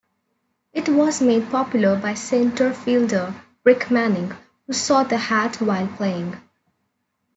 It was made popular by center-fielder Rick Manning, who saw the hat while playing.